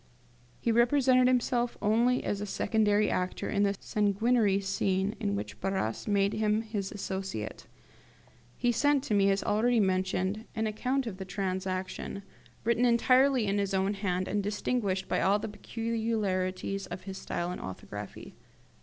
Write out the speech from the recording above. He represented himself only as secondary actor in this sanguinary scene in which Barras made him his associate. He sent to me, as already mentioned, an account of the transaction, written entirely in his own hand, and distinguished by all the peculiarities of his style and orthography.